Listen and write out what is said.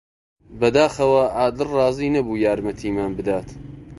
بەداخەوە، عادل ڕازی نەبوو یارمەتیمان بدات.